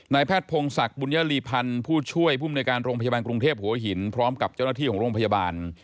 แพทย์พงศักดิ์บุญญาลีพันธ์ผู้ช่วยภูมิในการโรงพยาบาลกรุงเทพหัวหินพร้อมกับเจ้าหน้าที่ของโรงพยาบาล